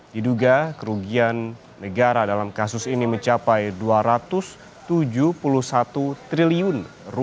diduga kerugian negara dalam kasus ini mencapai rp dua ratus tujuh puluh satu triliun